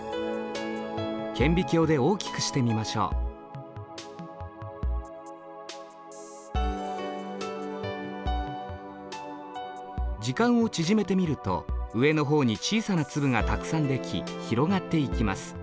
顕微鏡で大きくしてみましょう時間を縮めてみると上の方に小さなつぶがたくさんでき広がっていきます。